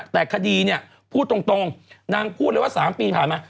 แต่คดีเนี่ยพูดตรงนางพูดเลยว่า๓ปีผ่านมา